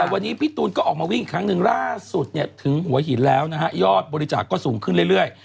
วันนี้พี่ตูนก็ออกมาวิ่งอีกครั้งหนึ่งล่าสุดถึงหัวหินแล้วนะฮะยอดบริจาคก็สูงขึ้นเรื่อย